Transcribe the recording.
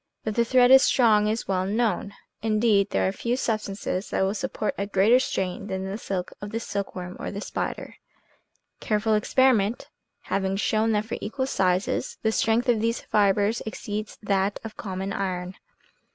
That the thread is strong is well known. Indeed, there are few substances that will support a greater strain than the silk of the silkworm, or the spider ; careful experiment having shown that for equal sizes the strength of these fibers exceeds that of common iron.